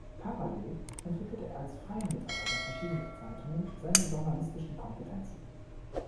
Parallel entwickelte er als freier Mitarbeiter verschiedener Zeitungen seine journalistischen Kompetenzen.